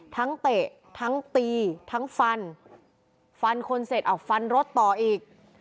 เตะทั้งตีทั้งฟันฟันคนเสร็จเอาฟันรถต่ออีก